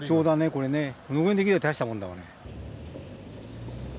これぐらいできれば大したもんだわね。